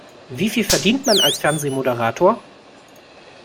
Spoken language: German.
Wie viel verdient man als Fernsehmoderator?